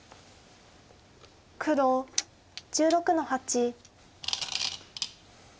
黒１６の八。